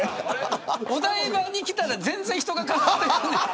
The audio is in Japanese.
お台場に来たら全然、人が変わってる。